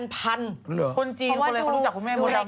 เหรอเพราะว่าดูรายการใช่ไหมคนจีนก็เลยเขารู้จักคุณแม่โมดำนะ